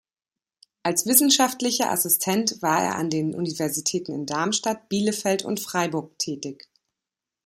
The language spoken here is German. Als wissenschaftlicher Assistent war er an den Universitäten in Darmstadt, Bielefeld und Freiburg tätig.